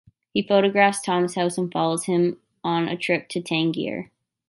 He photographs Tom's house and follows him on a trip to Tangier.